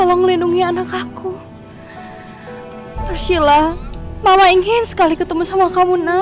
yang ekonomi anak aku cerci law mama ingin sekali ketemu sama kamu nah